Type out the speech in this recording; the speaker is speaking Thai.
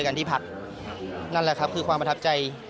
นั่นแหละครับคือความประทับใจ